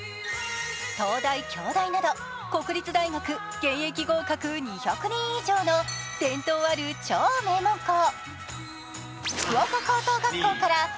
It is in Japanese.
東大、京大など国立大学現役入学２００人以上伝統ある超名門校。